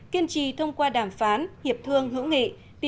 kiên trì thông qua đàm phán hiệp thương hữu nghị